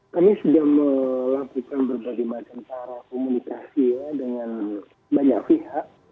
kami sudah melakukan berbagai macam cara komunikasi ya dengan banyak pihak